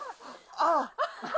ああ。